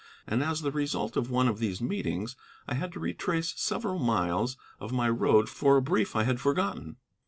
And as the result of one of these meetings I had to retrace several miles of my road for a brief I had forgotten.